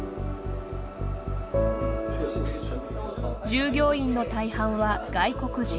従業員の大半は外国人。